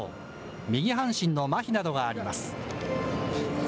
右半身のまひなどがあります。